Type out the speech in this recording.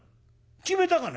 「決めたかね？」。